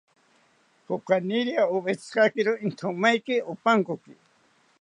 Kokaniria owetzikakiro intomaeki opankoki